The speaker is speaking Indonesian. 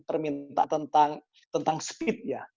permintaan tentang speed ya